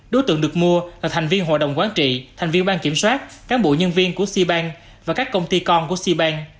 đối tượng được mua là thành viên hội đồng quán trị thành viên bang kiểm soát cán bộ nhân viên của seabank và các công ty con của seabank